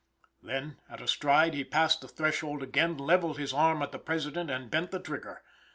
Then, at a stride, he passed the threshold again, levelled his arm at the President and bent the trigger.